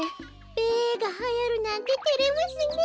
べがはやるなんててれますねえ。